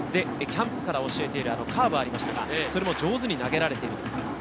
キャンプから教えているカーブがありましたが上手に投げられている。